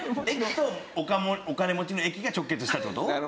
駅とお金持ちの駅が直結したって事？